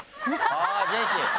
あぁジェシー！